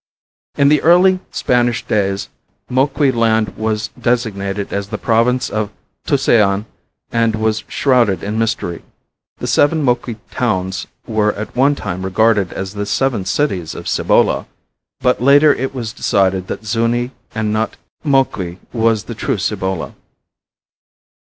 In the early Spanish days Moqui land was designated as the Province of Tusayan and was shrouded in mystery. The seven Moqui towns were at one time regarded as the seven Cities of Cibola, but later it was decided that Zuni and not Moqui was the true Cibola.